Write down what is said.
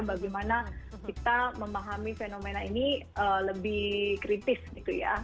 bagaimana kita memahami fenomena ini lebih kritis gitu ya